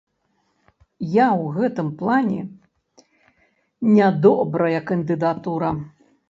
Я ў гэтым плане не добрая кандыдатура.